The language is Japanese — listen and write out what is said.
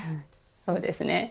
そうですね。